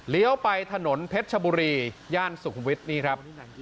ไปถนนเพชรชบุรีย่านสุขุมวิทย์นี่ครับ